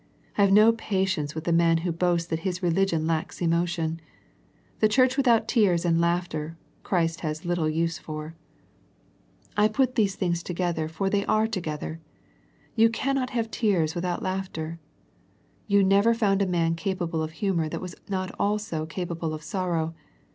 I have no patience with the man who boasts that his religion lacks emo tion. The church without tears and laughter, Christ has little use for. I put these things The Sardis Letter 155 together for they are together. You cannot have tears without laughter. You never found a man capable of humour that was not also capable of sorrow.